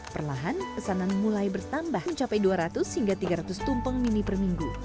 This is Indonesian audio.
perlahan pesanan mulai bertambah mencapai dua ratus hingga tiga ratus tumpeng mini per minggu